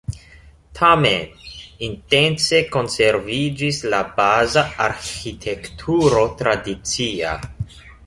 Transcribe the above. Tamen intence konserviĝis la baza arĥitekturo tradicia.